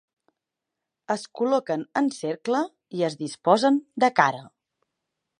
Es col·loquen en cercle i es disposen de cara.